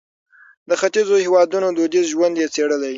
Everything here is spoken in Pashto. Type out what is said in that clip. د ختیځو هېوادونو دودیز ژوند یې څېړلی.